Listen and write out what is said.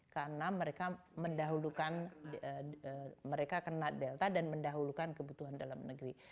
karena mereka mendahulukan mereka kena delta dan mendahulukan kebutuhan dalam negeri